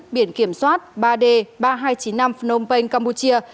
biển kiểm soát ba d ba nghìn hai trăm chín mươi năm phnom penh campuchia